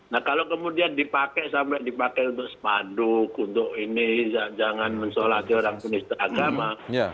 nah kalau kemudian dipakai sampai dipakai untuk sepadu untuk ini jangan mensolati orang yang tidak agama